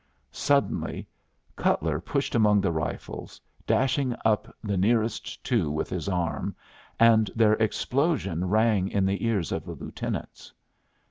Suddenly Cutler pushed among the rifles, dashing up the nearest two with his arm, and their explosion rang in the ears of the lieutenants.